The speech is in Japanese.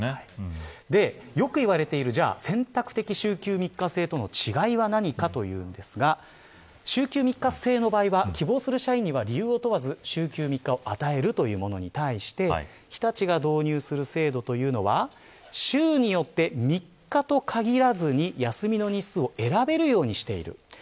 よく言われている、選択的週休３日制との違いは何かというと週休３日制の場合は希望する社員には理由を問わず週休３日を与えるというものに対して日立が導入する制度は週によって３日と限らずに休みの日数を選べるようにしている。